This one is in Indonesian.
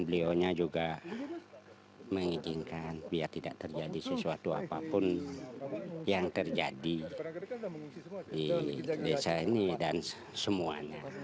beliau nya juga mengizinkan biar tidak terjadi sesuatu apapun yang terjadi di desa ini dan semuanya